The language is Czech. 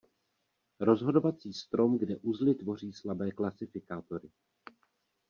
Rozhodovací strom, kde uzly tvoří slabé klasifikátory.